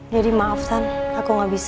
jadi maaf tan aku gak bisa